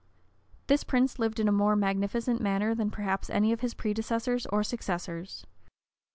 This prince lived in a more magnificent manner than perhaps any of his predecessors or successors.